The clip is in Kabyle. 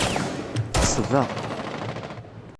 Qesba.